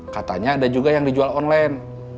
katanya ada juga yang dijual online